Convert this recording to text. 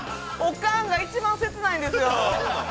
おかんが一番切ないんですよ。